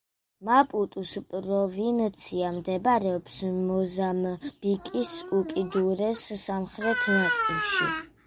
მაპუტუს პროვინცია მდებარეობს მოზამბიკის უკიდურეს სამხრეთ ნაწილში.